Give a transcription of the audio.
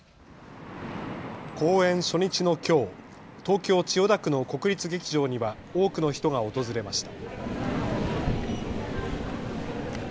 公演初日のきょう東京千代田区の国立劇場には多くの人が訪れました。